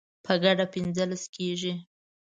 په ګډه پنځلس کیږي